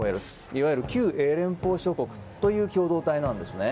いわゆる旧英連邦諸国という共同体なんですね。